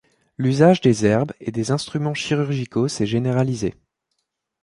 L'usage des herbes et des instruments chirurgicaux s’est généralisé.